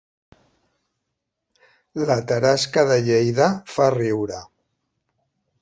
La tarasca de Lleida fa riure